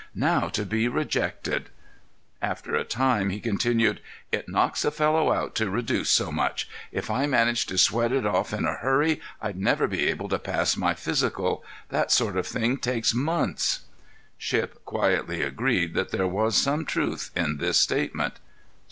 Now to be rejected!" After a time he continued: "It knocks a fellow out to reduce so much. If I managed to sweat it off in a hurry, I'd never be able to pass my physical. That sort of thing takes months." Shipp silently agreed that there was some truth in this statement.